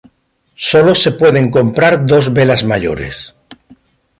Solo se pueden comprar dos velas mayores.